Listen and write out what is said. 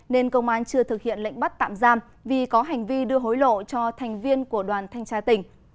nên công an chưa thực hiện lệnh bắt tạm giam vì có hành vi đưa hối lộ cho thành viên của đoàn thanh tra tỉnh